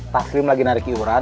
taslim lagi narik iuran